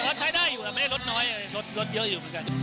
ใช้ได้อยู่แล้วไม่ได้รถน้อยรถเยอะอยู่เหมือนกัน